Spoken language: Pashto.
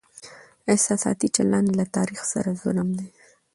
احساساتي چلند له تاريخ سره ظلم دی.